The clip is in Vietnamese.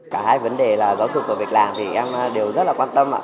cả hai vấn đề là giáo dục và việc làm thì em đều rất là quan tâm ạ